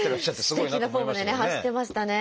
すてきなフォームでね走ってましたね。